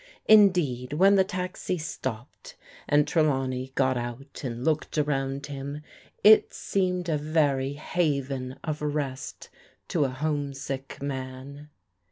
Indeed, when the taxi stopped, and Trelawney got out and looked around him, it seemed a very haven of rest to a homesick man.